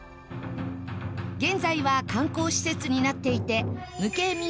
現在は観光施設になっていて無形民俗